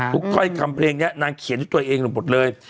ทุกข้อยคำเพลงนี้นางเขียนให้ตัวเองหมดเลย